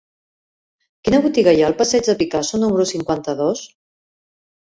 Quina botiga hi ha al passeig de Picasso número cinquanta-dos?